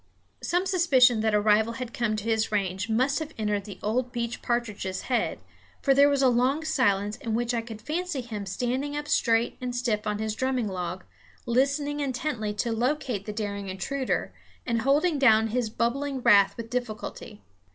Some suspicion that a rival had come to his range must have entered the old beech partridge's head, for there was a long silence in which I could fancy him standing up straight and stiff on his drumming log, listening intently to locate the daring intruder, and holding down his bubbling wrath with difficulty.